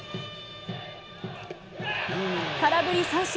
空振り三振。